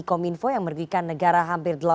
kominfo yang merugikan negara hampir